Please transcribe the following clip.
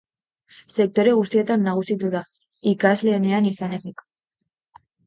Sektore guztietan nagusitu da, ikasleenean izan ezik.